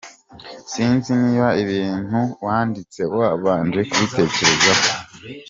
Sinzi niba ibintu wanditse wabanje kubitekerezaho.